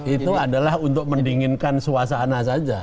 itu adalah untuk mendinginkan suasana saja